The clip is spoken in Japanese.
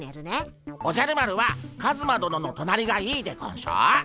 おじゃる丸はカズマどののとなりがいいでゴンショ。